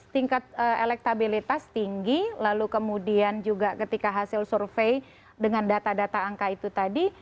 tingkat elektabilitas tinggi lalu kemudian juga ketika hasil survei dengan data data angka itu tadi